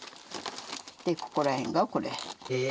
でここら辺がこれ。